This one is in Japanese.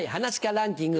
ランキング